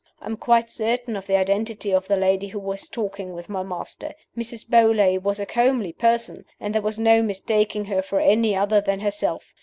I am quite certain of the identity of the lady who was talking with my master. Mrs. Beauly was a comely person and there was no mistaking her for any other than herself.